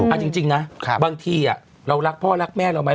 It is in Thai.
เอาจริงนะบางทีเรารักพ่อรักแม่เราไหม